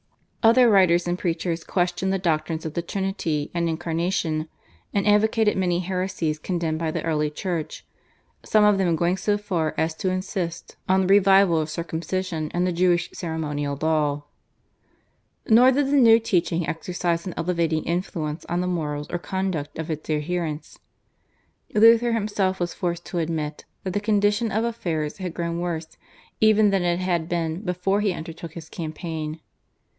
Other writers and preachers questioned the doctrines of the Trinity and Incarnation, and advocated many heresies condemned by the early Church, some of them going so far as to insist on the revival of circumcision and the Jewish ceremonial law. Nor did the new teaching exercise an elevating influence on the morals or conduct of its adherents. Luther himself was forced to admit that the condition of affairs had grown worse even than it had been before he undertook his campaign.